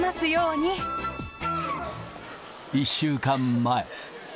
１週間前。